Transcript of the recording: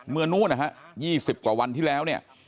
เมื่อนู้นนะฮะ๒๐กว่าวันที่แล้วเนี่ย